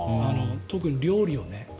特に料理を。